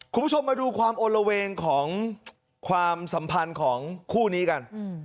คุณผู้ชมมาดูความโอละเวงของความสัมพันธ์ของคู่นี้กัน